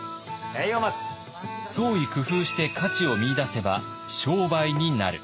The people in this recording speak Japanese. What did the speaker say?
創意工夫して価値を見いだせば商売になる。